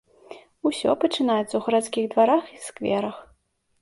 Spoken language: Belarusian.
Усё пачынаецца ў гарадскіх дварах і скверах.